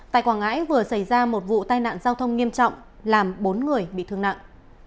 tại quảng ngãi vừa xảy ra một vụ tai nạn giao thông nghiêm trọng làm bốn người bị thương nặng